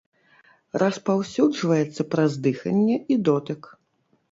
Распаўсюджваецца праз дыханне і дотык.